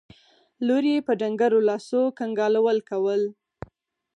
لور يې په ډنګرو لاسو کنګالول کول.